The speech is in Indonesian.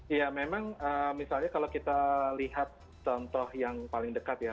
ya memang misalnya kalau kita lihat contoh yang paling dekat ya